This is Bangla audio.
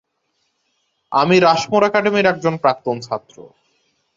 আমি রাশমোর একাডেমির একজন প্রাক্তন ছাত্র।